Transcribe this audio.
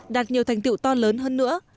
đạt nhiều thành tựu to lớn hơn nữa